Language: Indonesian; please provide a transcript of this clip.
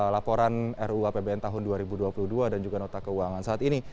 laporan ruu apbn tahun dua ribu dua puluh dua dan juga nota keuangan saat ini